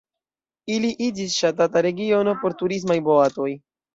Ili iĝis ŝatata regiono por turismaj boatoj.